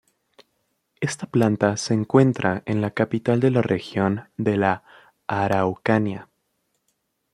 Esta planta se encuentra en la capital de la Región de La Araucanía.